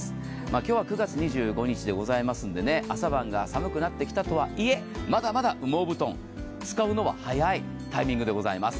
今日は９月２５日でございますので、朝晩が寒くなったとはいえ、まだまだ羽毛布団、使うのは早いタイミングでございます。